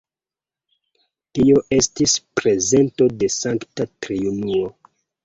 Tio estis prezento de Sankta Triunuo.